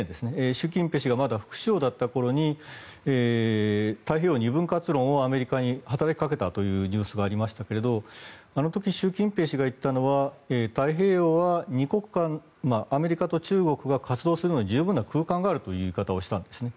習近平氏がまだ副首相だった頃に太平洋２分割論をアメリカに働きかけたというニュースがありましたがあの時、習近平氏が言ったのは太平洋は２国間アメリカと中国が活動するのに十分な空間があるという言い方をしたんですね。